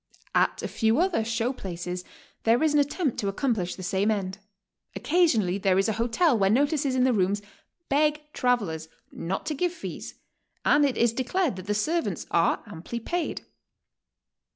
At a few other "show places" there is an attempt to accom plish the same end. Occasionally there is a hotel where notices in the rooms beg travelers not to give fees and it is declared that the servants are amply paid.